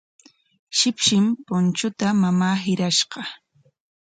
Shipshin punchuuta mamaa hirashqa.